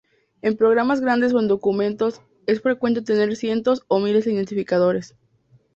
En programas grandes o en documentos es frecuente tener cientos o miles de identificadores.